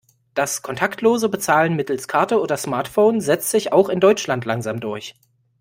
Das kontaktlose Bezahlen mittels Karte oder Smartphone setzt sich auch in Deutschland langsam durch.